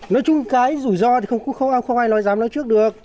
nói chung cái rủi ro thì không ai nói dám nói trước được